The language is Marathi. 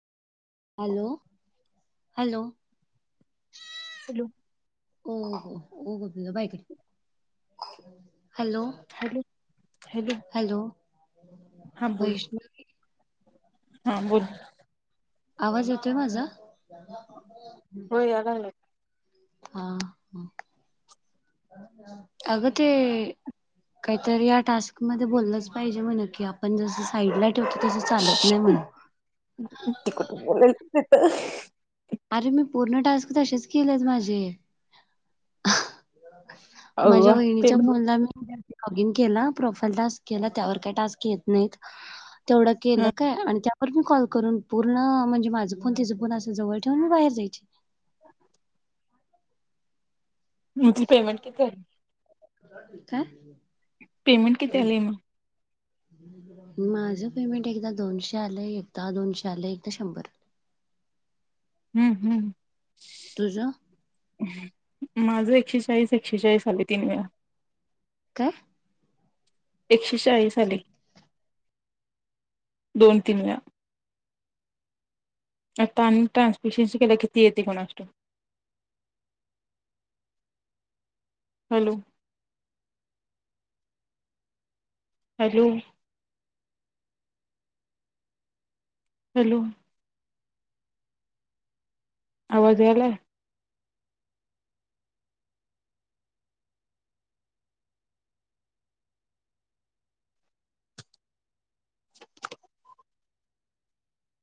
Hello, hello. हॅलो. हो, हो, हो होगुदल पाहिजे. हॅलो, हॅलो हॅलो हा बोल वैष्णवी हा बोल. आवाज येतोय माझा? होय आगण हा, ह अग ते काहीतरी या टास्क म बोललंच पाहिजे म्हणा की आपण जस साईडला ठेवत तस चालत.. नाही म्हण [unintelligible] अरे मी पूर्ण टास्क तसेच केलेत माझे. अव्वा माझ्या वहिणीच्या पेमेंट फोनला मी लॉगिन केल प्रोफाईल टास्क केला त्यावर काय टास्क येत नाहीत तेवढं केलं काय आनी र मी कॉल करून पूर्ण म्हणजे माझा फोन तिचा फोन असं जवळ ठेवून मी बाहेर जायची. रिकामा ऑडिओ तुमचं पेमेंट किती आलं? काय? पेमेंट किती आलं म? माझं पेमेंट एकदा दोनशे आले एकदा दोनशे आले एकदा शंभर. हम्म हम्म. तुझं माझं एकशेचाळीस एकशेचाळीस आले तीन वेळा. काय? एकशे चाळीस आले. दोन तीन वेळा. आता आणि ट्रान्सपिशन्सीकेलेय किती येते कोणास ठाऊक? हॅलो. हॅलो. हॅलो. आवाज यालाय.